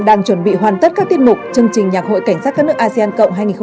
đang chuẩn bị hoàn tất các tiết mục chương trình nhạc hội cảnh sát các nước asean cộng hai nghìn hai mươi